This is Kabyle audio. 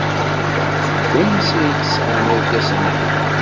Seg wansi ay d-tesɣam irkasen-nni?